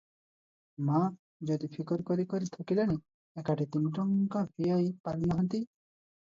ମା' ପନ୍ଦି ଫିକର କରି କରି ଥକିଲେଣି ଏକାଠି ତିନି ଟଙ୍କା ଭିଆଇ ପାରୁନାହାନ୍ତି ।